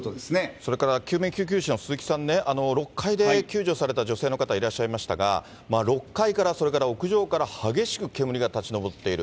それから救急救命士の鈴木さん、６階で救助された女性の方、いらっしゃいましたが、６階から、それから屋上から激しく煙が立ち上っている。